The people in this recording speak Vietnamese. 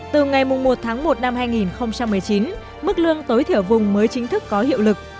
từ ngày một tháng một năm hai nghìn một mươi chín mức lương tối thiểu vùng mới chính thức có hiệu lực